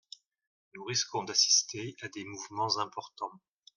Nous risquons d’assister à des mouvements importants.